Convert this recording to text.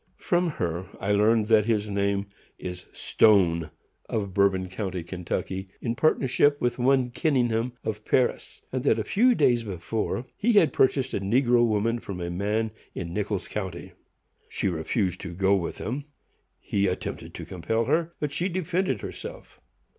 From her I learned that his name is Stone, of Bourbon county, Kentucky, in partnership with one Kinningham, of Paris; and that a few days before he had purchased a negro woman from a man in Nicholas county. She refused to go with him; he attempted to compel her, but she defended herself.